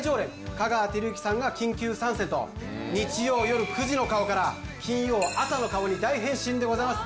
香川照之さんが緊急参戦と日曜夜９時の顔から金曜朝の顔に大変身でございます